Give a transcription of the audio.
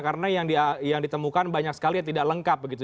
karena yang ditemukan banyak sekali yang tidak lengkap begitu